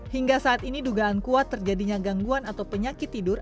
hingga saat ini dugaan kuat terjadinya gangguan atau penyakit tidur